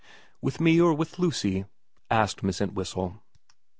' With me or with Lucy ?' asked Miss Entwhistle.